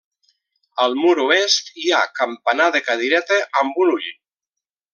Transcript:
Al mur oest hi ha campanar de cadireta amb un ull.